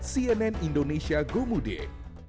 cnn indonesia gomudik